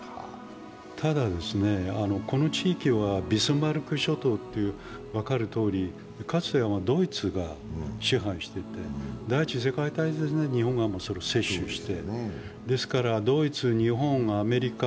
ただ、この地域はビスマルク諸島、分かるとおり、かつてはドイツが支配してて、第一次世界大戦で日本が接収してドイツ、日本がアメリカ、